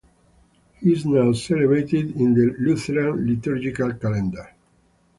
He is now celebrated in the Lutheran liturgical calendar.